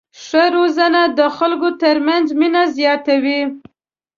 ښه زړونه د خلکو تر منځ مینه زیاتوي.